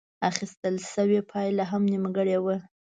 اخيستل شوې پايله هم نيمګړې وه.